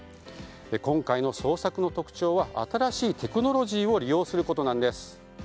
今回の捜索の特徴は新しいテクノロジーを利用することなんです。